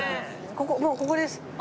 もうここです。